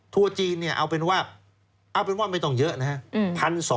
ถูวิวจีนนี้เอาเป็นว่าไม่ต้องเยอะนะครับ